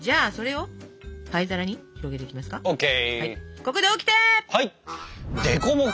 はい！